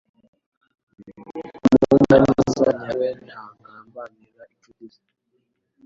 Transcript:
Umugwaneza nyawe ntagambanira inshuti ze